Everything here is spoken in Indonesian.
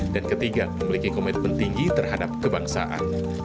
dan ketiga memiliki komitmen tinggi terhadap kebangsaan